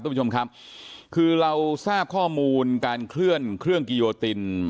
คุณผู้ชมครับคือเราทราบข้อมูลการเคลื่อนเครื่องกิโยติน